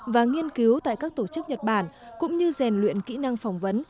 và nghiên cứu tại các tổ chức nhật bản cũng như rèn luyện kỹ năng phỏng vấn